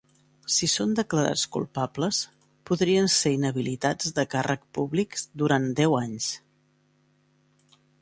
Si són declarats culpables, podrien ser inhabilitats de càrrec públics durant deu anys.